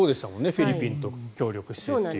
フィリピンと協力してという。